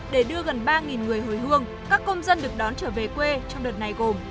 để đưa gần ba người hồi hương các công dân được đón trở về quê trong đợt này gồm